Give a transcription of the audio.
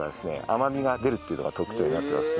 甘みが出るっていうのが特徴になってますね。